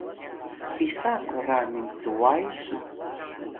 Yayut: pisa kwara mincway su?